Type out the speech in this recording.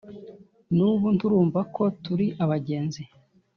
nubu nturumva ko turi abagenzi?